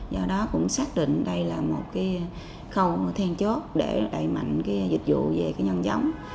do đó cũng xác định đây là một cái khâu thiên chốt để đẩy mạnh cái dịch vụ về cái nhân giống